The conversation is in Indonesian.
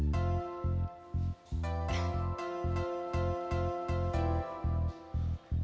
kamu udah lebih sihat sekarang